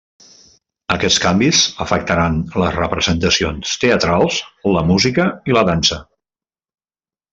Aquests canvis afectaren les representacions teatrals, la música i la dansa.